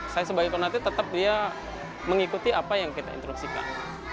saya sebagai penalti tetap dia mengikuti apa yang kita instruksikan